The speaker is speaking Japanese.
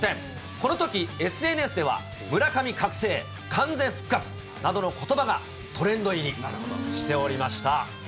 このとき、ＳＮＳでは村上覚醒、完全復活などのことばがトレンド入りしておりました。